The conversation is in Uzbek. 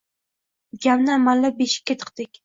Ukamni amallab beshikka tiqdik.